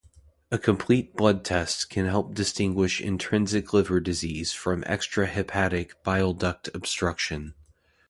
A complete blood test can help distinguish intrinsic liver disease from extrahepatic bile-duct obstruction.